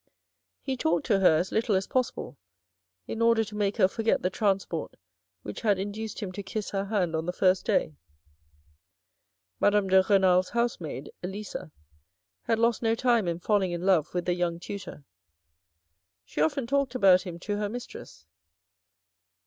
He talked to her as little as possible, in order to make her forget the transport which had induced him to kiss her hand on the first day. Madame de Renal's housemaid, Elisa, had lost no time in falling in love with the young tutor. She often talked about him to her mistress.